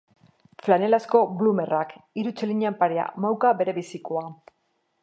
Flanelazko bloomerrak, hiru txelinean parea, mauka berebizikoa.